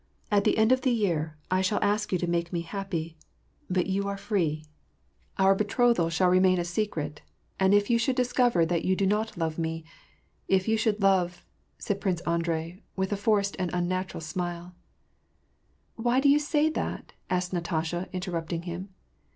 At the end of the '"»« T sliall ask you to make me happy ; but you are free. WAR AND PEACE. 233 Oar betTothal shall remain a secret, and if you should discover that you do not love me, if you should love "— said Prince Andrei, with a forced and unnatural smile. "Why do you say that ?" asked Natasha, interrupting him.